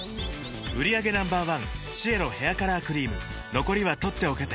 売上№１シエロヘアカラークリーム残りは取っておけて